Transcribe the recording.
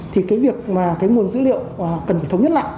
thì cái việc mà cái nguồn dữ liệu cần phải thống nhất lại